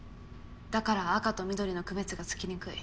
だから赤と緑の区別がつきにくい。